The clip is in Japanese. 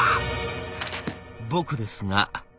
「僕ですが」。